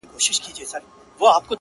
زما ونه له تا غواړي راته!!